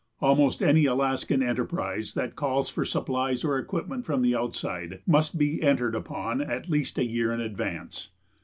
Almost any Alaskan enterprise that calls for supplies or equipment from the outside must be entered upon at least a year in advance.